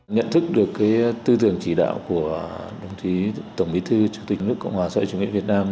nhận thức được tư tưởng chỉ đạo của tổng bí thư chủ tịch nước cộng hòa sở chủ nghĩa việt nam